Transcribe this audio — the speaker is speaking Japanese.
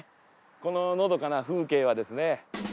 こののどかな風景はですね。